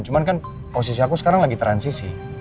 cuman kan posisi aku sekarang lagi transisi